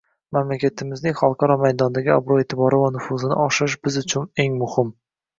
mamlakatimizning xalqaro maydondagi obro‘- e’tibori va nufuzini oshirish biz uchun eng muhim